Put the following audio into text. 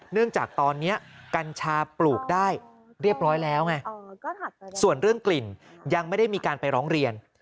จากตอนนี้กัญชาปลูกได้เรียบร้อยแล้วไงส่วนเรื่องกลิ่นยังไม่ได้มีการไปร้องเรียน